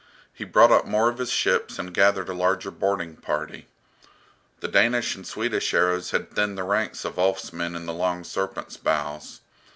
He brought up more of his ships and gathered a larger boarding party. The Danish and Swedish arrows had thinned the ranks of Ulf's men in the "Long Serpent's" bows.